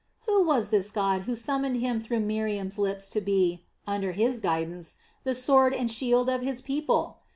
Who was this God who summoned him through Miriam's lips to be, under His guidance, the sword and shield of His people?